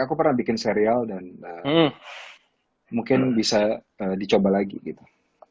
aku pernah bikin serial dan mungkin bisa dicoba lagi gitu